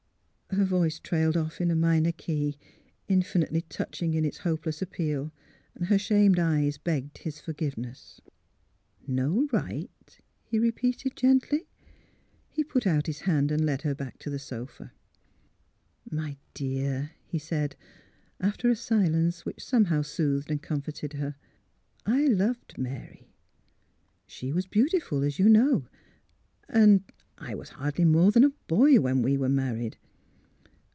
Her voice trailed off in a minor key, infinitely touching in its hopeless appeal. Her shamed eyes begged his forgiveness. '' No — right? " he repeated, gently. He put out his hand and led her back to the sofa. '' My dear," he said, after a silence, which somehow soothed and comforted her, *' I loved — Mary. She was beautiful, as you know; and I — I was hardly more than a boy when we were married.